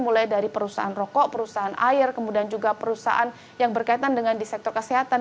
mulai dari perusahaan rokok perusahaan air kemudian juga perusahaan yang berkaitan dengan di sektor kesehatan